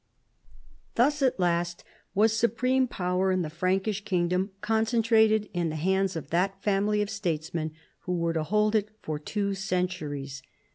Thus at last was supreme power in the Frankish kingdom concentrated in the hands of that family of statesmen who were to hold it for two centuries.